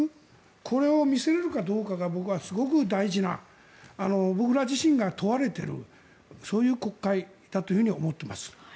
これを見せられるかどうかが僕はすごく大事な僕ら自身が問われているそういう国会だと思っています。